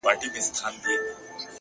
په څو ساعته دې د سترگو باڼه و نه رپي;